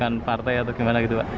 dan partai atau gimana gitu pak